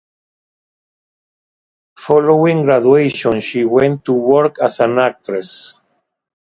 Following graduation, she went to work as an actress.